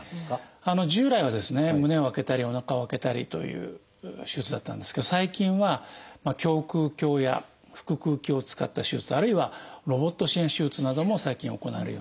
従来は胸を開けたりおなかを開けたりという手術だったんですけど最近は胸くう鏡や腹くう鏡を使った手術あるいはロボット支援手術なども最近行われるようになっていますね。